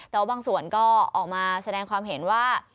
แต่ว่าบางส่วนก็ออกมาแสดงความเห็นว่า